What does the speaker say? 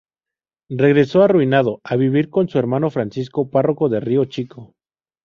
Regresó, arruinado, a vivir con su hermano Francisco, párroco de Río Chico.